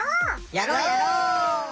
やろうやろう！